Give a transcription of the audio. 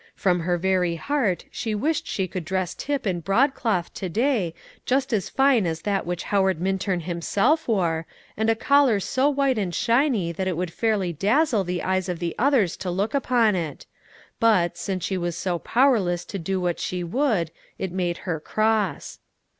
From her very heart she wished she could dress Tip in broadcloth to day, just as fine as that which Howard Minturn himself wore, and a collar so white and shiny that it would fairly dazzle the eyes of the others to look upon it; but, since she was so powerless to do what she would, it made her cross.